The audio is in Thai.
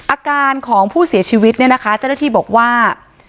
อาการของผู้เสียชีวิตเนี่ยนะคะเจ้าหน้าที่บอกว่า